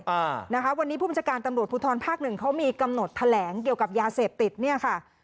อ่านะคะวันนี้ผู้บัญชาการตำรวจภูทรภาคหนึ่งเขามีกำหนดแถลงเกี่ยวกับยาเสพติดเนี่ยค่ะ